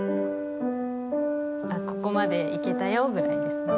「ここまでいけたよ」ぐらいですね